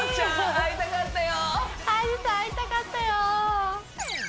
会いたかったよ！